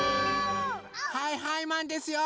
はいはいマンですよ！